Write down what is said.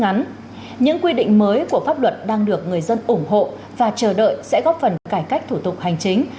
những quy định mới của pháp luật đang được người dân ủng hộ và chờ đợi sẽ góp phần cải cách thủ tục hành chính